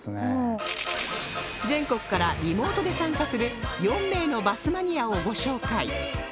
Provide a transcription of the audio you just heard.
全国からリモートで参加する４名のバスマニアをご紹介